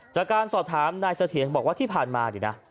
จากการสอบถามนายเสถียรบอกว่าที่ผ่านมาเนี่ยนะ